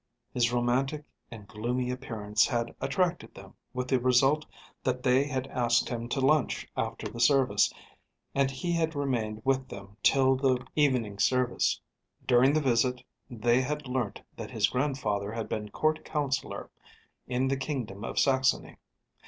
His romantic and gloomy appearance had attracted them, with the result that they had asked him to lunch after the service, and he had remained with them till the evening service. During the visit they had learnt that his grandfather had been Court Councillor in the Kingdom of Saxony.